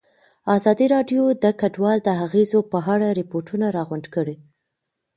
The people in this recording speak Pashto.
ازادي راډیو د کډوال د اغېزو په اړه ریپوټونه راغونډ کړي.